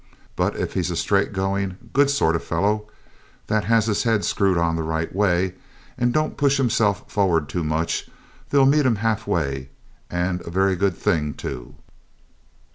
But if he's a straight going good sort of fellow, that has his head screwed on the right way, and don't push himself forward too much, they'll meet him half way, and a very good thing too.